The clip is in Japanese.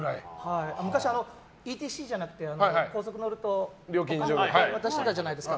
昔、ＥＴＣじゃなくて高速乗るとお金渡してたじゃないですか。